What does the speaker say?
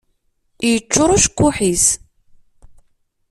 Yeččur ucekkuḥ-is.